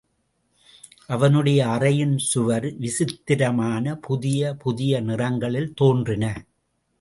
அவனுடைய அறையின் சுவர் விசித்திரமான புதிய புதிய நிறங்களில் தோன்றின.